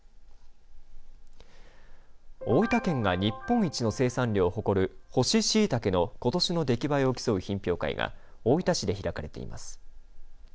大分県が日本一の生産量を誇る乾しいたけのことしの出来栄えを競う品評会が大分市で開かれています。